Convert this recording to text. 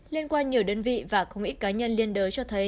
liên quan nhiều đơn vị và không ít cá nhân liên đới cho thấy